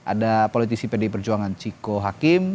ada politisi pdi perjuangan ciko hakim